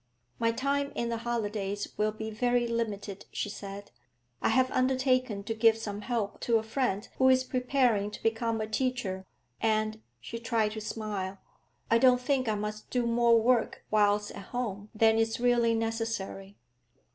'My time in the holidays will be very limited,' she said. 'I have undertaken to give some help to a friend who is preparing to become a teacher, and' she tried to smile 'I don't think I must do more work whilst at home than is really necessary.'